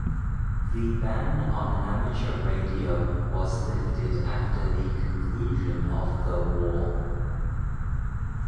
The ban on amateur radio was lifted after the conclusion of the war.